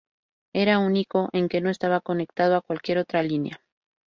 Era único en que no estaba conectado a cualquier otra línea.